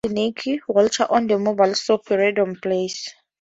Also in that year she played Nicki Walch on the mobile soap "Random Place".